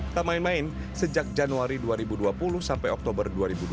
tak main main sejak januari dua ribu dua puluh sampai oktober dua ribu dua puluh